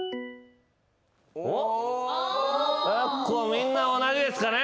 みんな同じですかね。